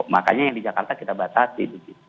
makanya yang di jakarta kita batasi